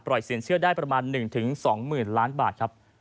ปล่อยเสียงเชื่อได้ประมาณ๑๒๐ล้านบาท